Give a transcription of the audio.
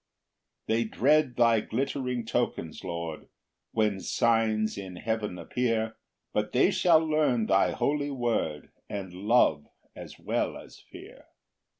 6 They dread thy glittering tokens, Lord, When signs in heaven appear; But they shall learn thy holy word, And love as well as fear.